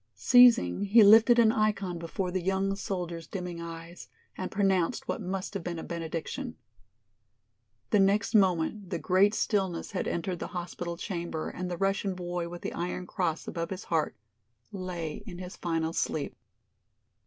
Ceasing, he lifted an ikon before the young soldier's dimming eyes, and pronounced what must have been a benediction. The next moment the great stillness had entered the hospital chamber and the Russian boy with the iron cross above his heart lay in his final sleep.